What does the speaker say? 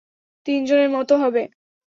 তিনজনের মতো হবে।